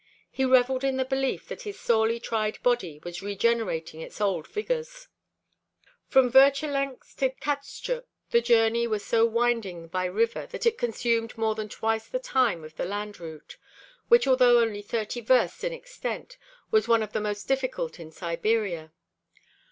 He reveled in the belief that his sorely tried body was regenerating its old vigors. From Wercholensk to Katschuk the journey was so winding by river that it consumed more than twice the time of the land route, which although only thirty versts in extent was one of the most difficult in Siberia.